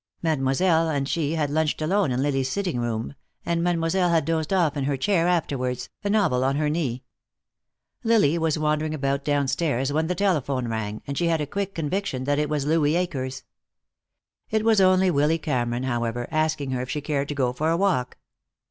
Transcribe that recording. Mademoiselle and she had lunched alone in Lily's sitting room, and Mademoiselle had dozed off in her chair afterwards, a novel on her knee. Lily was wandering about downstairs when the telephone rang, and she had a quick conviction that it was Louis Akers. It was only Willy Cameron, however, asking her if she cared to go for a walk.